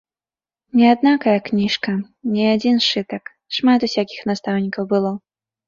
Не аднакая кніжка, не адзін сшытак, шмат усякіх настаўнікаў было.